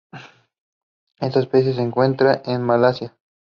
Esta especie se encuentra en Malasia.